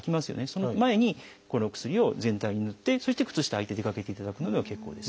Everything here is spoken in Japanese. その前にこの薬を全体にぬってそして靴下はいて出かけていただくのでも結構です。